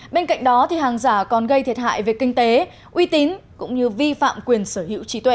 bên cạnh đó hàng giả còn gây thiệt hại về kinh tế uy tín cũng như vi phạm quyền sở hữu trí tuệ